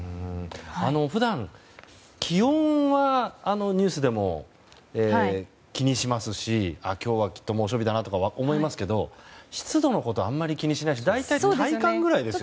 普段、気温はニュースでも気にしますし今日はきっと猛暑日だなとか思いますけど湿度のことをあまり気にしないし大体、体感ぐらいですよね。